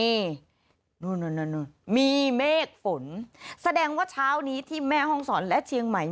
นี่นู่นมีเมฆฝนแสดงว่าเช้านี้ที่แม่ห้องศรและเชียงใหม่